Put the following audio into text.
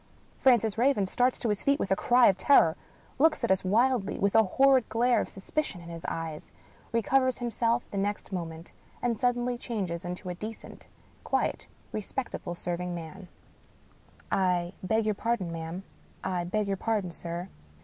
Francis Raven starts to his feet with a cry of terror — ^looks at us wildly, with a horrid glare of sus picion in his eyes— recovers himself the next moment — and suddenly changes into a decent, quiet, respectable serv ing man. 220 WUkie Collins I beg your pardon, ma'am. I beg your pardon, sir."